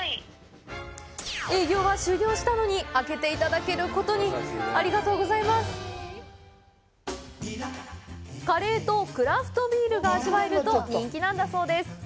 営業は終了したのに開けて頂けることにありがとうございますカレーとクラフトビールが味わえると人気なんだそうです